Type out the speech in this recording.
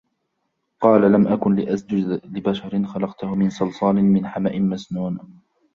قال لم أكن لأسجد لبشر خلقته من صلصال من حمإ مسنون